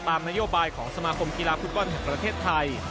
ตามนโยบายของสมาคมกีฬาภูกรณ์ประเทศไทย